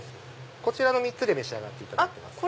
こちらの３つで召し上がっていただいてます。